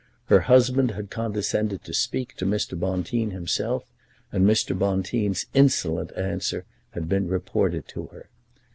Her husband had condescended to speak to Mr. Bonteen himself, and Mr. Bonteen's insolent answer had been reported to her.